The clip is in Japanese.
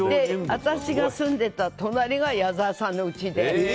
私が住んでいた隣が矢沢さんの家で。